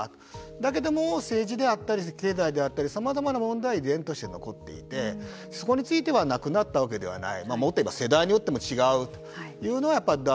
だけども政治であったり経済であったりさまざまな問題が依然として残っていてそこについてはなくなったわけではない。